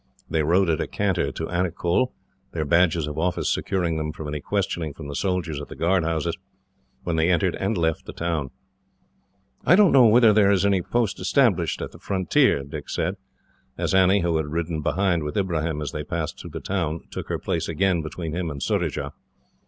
They rode at a canter to Anicull, their badges of office securing them from any questioning from the soldiers at the guard houses, when they entered and left the town. "I don't know whether there is any post established at the frontier," Dick said, as Annie, who had ridden behind with Ibrahim as they passed through the town, took her place again between him and Surajah.